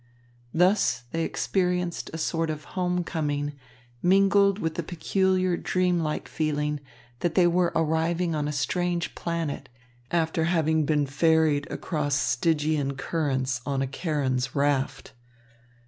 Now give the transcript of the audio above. Thus, they experienced a sort of home coming, mingled with a peculiar dream like feeling, that they were arriving on a strange planet, after having been ferried across Stygian currents on a Charon's raft.